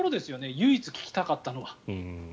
唯一本当に聞きたかったのは。